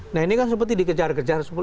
nah ini kan seperti dikejar kejar